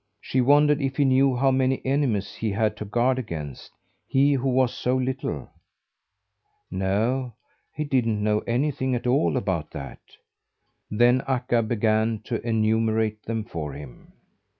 She wondered if he knew how many enemies he had to guard against he, who was so little. No, he didn't know anything at all about that. Then Akka began to enumerate them for him.